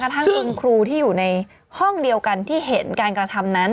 ทั้งคุณครูที่อยู่ในห้องเดียวกันที่เห็นการกระทำนั้น